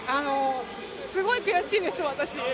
すごい悔しいんです、私。